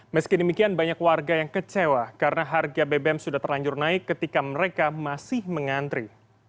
meski demikian banyak warga yang kecewa karena harga bbm sudah terlanjur naik ketika mereka masih mengantri